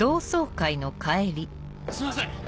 すいません！